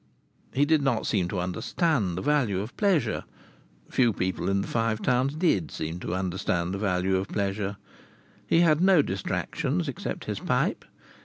He did not seem to understand the value of pleasure. Few people in the Five Towns did seem to understand the value of pleasure. He had no distractions except his pipe.